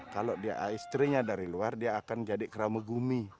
kalau dia istrinya dari luar dia akan jadi keramegumi